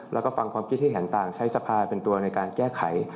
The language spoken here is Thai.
แล้วก็ฟังความคิดที่เห็นต่างใช้สภาเป็นตัวในการแก้ไข